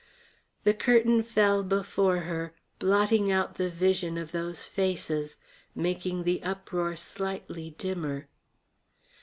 The curtain fell before her, blotting out the vision of those faces, making the uproar slightly dimmer.